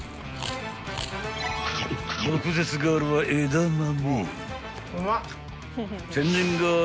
［毒舌ガールは枝豆］